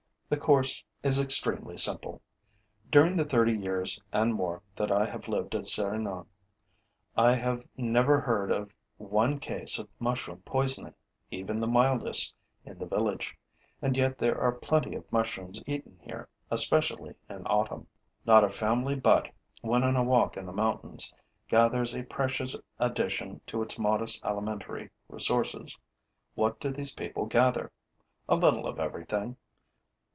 The course is extremely simple. During the thirty years and more that I have lived at Serignan, I have never heard of one case of mushroom poisoning, even the mildest, in the village; and yet there are plenty of mushrooms eaten here, especially in autumn. Not a family but, when on a walk in the mountains, gathers a precious addition to its modest alimentary resources. What do these people gather? A little of everything.